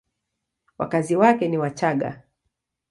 Wakazi wake ni Wachagga.